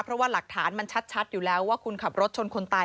เพราะว่าหลักฐานมันชัดอยู่แล้วว่าคุณขับรถชนคนตาย